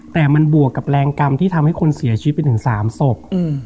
แต่มันบวกกับแรงกรรมที่ทำให้คนเสียชีวิตไปถึง๓ศพ